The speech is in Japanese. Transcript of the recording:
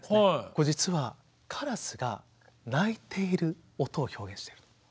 これ実はからすが鳴いている音を表現している。